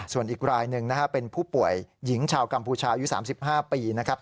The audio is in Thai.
ส่วนอีกรายหนึ่งนะครับเป็นผู้ป่วยหญิงชาวกัมพูชายุ๓๕ปีนะครับ